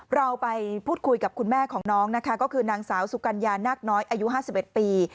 เราไปพูดคุยกับคุณแม่ของน้องนะคะก็คือนางสาวสุกัญญานักน้อยอายุ๕๑ปี